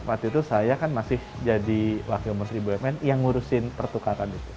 waktu itu saya kan masih jadi wakil menteri bumn yang ngurusin pertukaran itu